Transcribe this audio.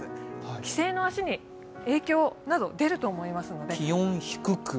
帰省の足に影響など出ると思いますので。